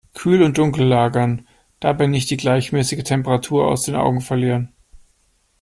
Kühl und dunkel lagern, dabei nicht die gleichmäßige Temperatur aus den Augen verlieren.